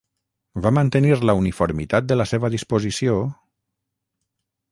Va mantenir la uniformitat de la seva disposició...